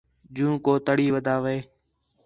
جوں کو تڑی ودا وے